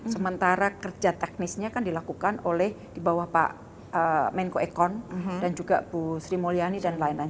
sementara kerja teknisnya kan dilakukan oleh di bawah pak menko ekon dan juga bu sri mulyani dan lain lain